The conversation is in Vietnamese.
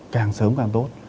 càng sớm càng tốt